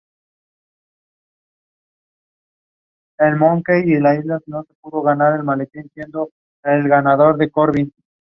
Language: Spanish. Esta curruca comienza a mostrarse sociable en otoño y durante el invierno.